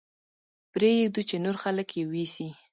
پرې يې ږدو چې نور خلک يې ويسي.